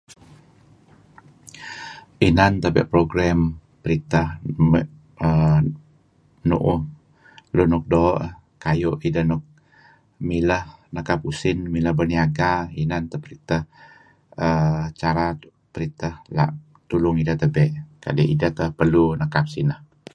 Inan tabe' program Pritah uhm nuuh nuk doo' kayu' ideh nuk milah nakap usin, idah nuk milah berniaga inan tah uhm cara Pritah lah tulung idah tabe' kadi' ideh perlu nakap sinah.